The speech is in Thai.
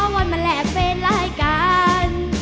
ว่ามันแหละเป็นรายการ